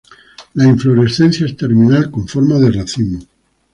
La inflorescencia es terminal, con forma de racimo.